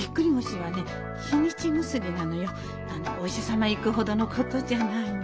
お医者様へ行くほどのことじゃないの。